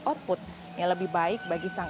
output yang lebih baik bagi sang